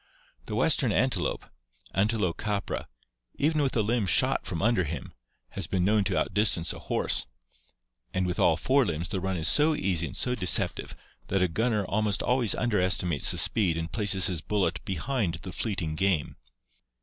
The western antelope, Antilocapra, even with a limb shot from under him, has been known to outdistance a horse, and with all four limbs the run is so easy and so deceptive that a gunner almost always underestimates the speed and places his bullet behind the fleeting game.